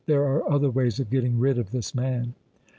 There are other ways of getting rid of this man."